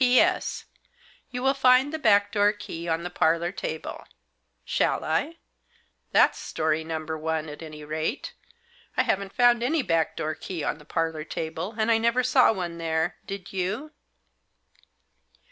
P.S. — You will find the back door key on the parlour table.' Shall I? That's story number one at any rate. I haven't found any back door key on the parlour table, and I never saw one there. Did you?"